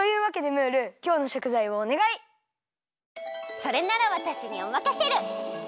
それならわたしにおまかシェル！